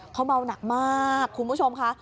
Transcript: เขาเมาหนักมากคุณผู้ชมค่ะ